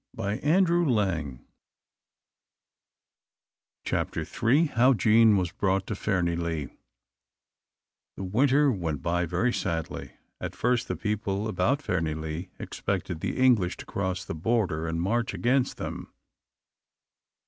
[Illustration: Chapter Three] CHAPTER III. How Jean was brought to Fairnlee THE winter went by very sadly. At first the people about Fairnilee expected the English to cross the Border and march against them.